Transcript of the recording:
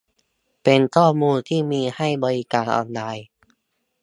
เป็นข้อมูลที่มีให้บริการออนไลน์